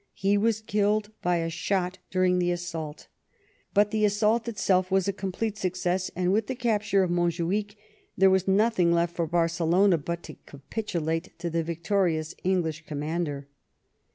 He was killed by a shot during the assault, but the assault itself was a complete suc cess, and with the capture of Monjuich there was nothing left for Barcelona but to capitulate to the victorious English commander.